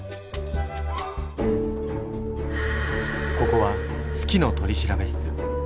ここは「好きの取調室」。